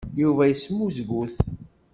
Yuba yesmuzgut.